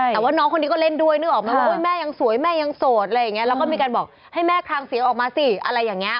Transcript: แต่ว่าน้องคนนี้ก็เล่นด้วยนึกออกมาว่าแม่ยังสวยแม่ยังโสดอะไรอย่างนี้แล้วก็มีการบอกให้แม่คลังเสียงออกมาสิอะไรอย่างนี้